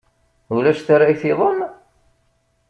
Ulac tarrayt-iḍen?